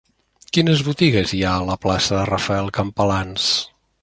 Quines botigues hi ha a la plaça de Rafael Campalans?